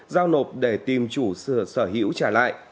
giao nộp để tìm chủ sở hữu trả lại